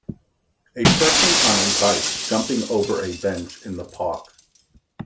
A person on a bike jumping over a bench in the park.